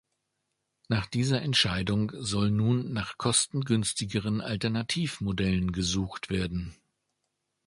Nach dieser Entscheidung soll nun nach kostengünstigeren Alternativ-Modellen gesucht werden.